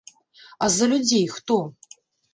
А за людзей хто?!